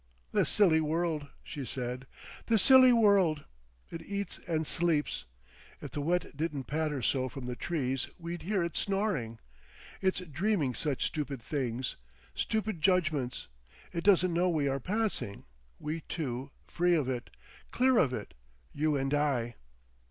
"The silly world," she said, "the silly world! It eats and sleeps. If the wet didn't patter so from the trees we'd hear it snoring. It's dreaming such stupid things—stupid judgments. It doesn't know we are passing, we two—free of it—clear of it. You and I!"